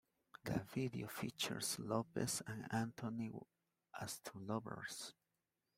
The video features Lopez and Anthony as two lovers.